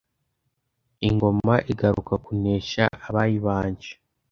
ingoma igaruka kunesha abayibanje